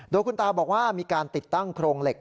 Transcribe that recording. โดยคุณตาบอกว่ามีการติดตั้งโครงเหล็ก